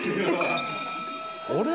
あれ？